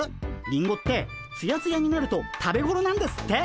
リンゴってツヤツヤになると食べごろなんですって。